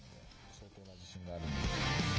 相当な自信があるんで。